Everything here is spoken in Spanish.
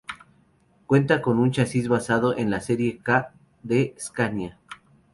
Cuenta con un chasis basado en la Serie K de Scania.